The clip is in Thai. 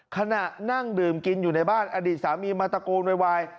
ขณะนั่งดื่มกินอยู่ในบ้านอดีตสามีมาตะโกนไว